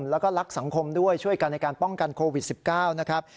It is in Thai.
แล้วก็รักสังคมด้วยช่วยกันในการป้องกันโควิด๑๙นะครับ